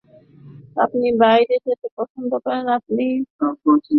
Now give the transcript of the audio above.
আপনি বাইরে যেতে পছন্দ করেন, আপনি কোপাতে বসেছিলেন, তারমানে টাকাপয়সা আছে।